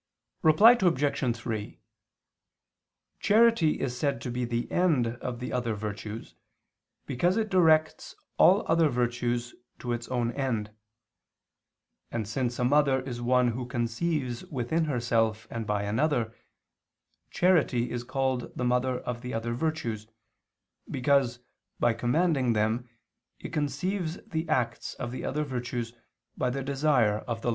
Reply Obj. 3: Charity is said to be the end of other virtues, because it directs all other virtues to its own end. And since a mother is one who conceives within herself and by another, charity is called the mother of the other virtues, because, by commanding them, it conceives the acts of the other virtues, by the desire of the last end.